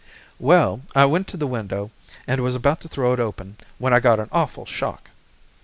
"Well, I went to the window and was about to throw it open, when I got an awful shock.